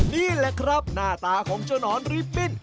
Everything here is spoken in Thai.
นี่แหละครับหน้าตาของเจ้านอนริบบิ้น